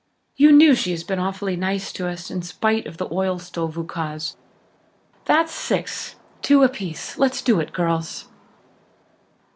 You knew she has been awfully nice to us in spite of the oil stove ukase. That's six two apiece. Let's do it, girls."